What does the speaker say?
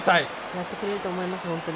やってくれると思います。